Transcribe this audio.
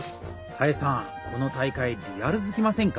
林さんこの大会リアルすぎませんか？